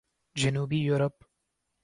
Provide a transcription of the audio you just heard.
جنوبی یورپ